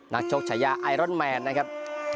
นักโชคชายะไอรอนไมนนะครับ